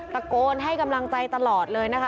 ตะโกนให้กำลังใจตลอดเลยนะคะ